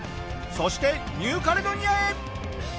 そしてニューカレドニアへ！